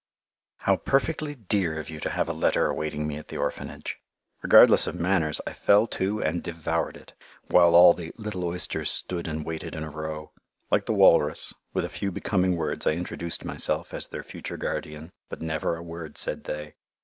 How perfectly dear of you to have a letter awaiting me at the Orphanage. Regardless of manners I fell to and devoured it, while all the "little oysters stood and waited in a row." Like the walrus, with a few becoming words I introduced myself as their future guardian, but never a word said they.